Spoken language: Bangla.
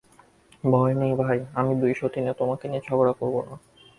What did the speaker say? ভয় নেই ভাই, আমরা দুই সতীনে তোমাকে নিয়ে ঝগড়া করব না।